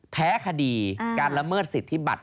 แพ้คดีการละเมิดสิทธิบัติ